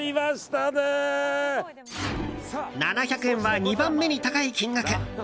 ７００円は２番目に高い金額。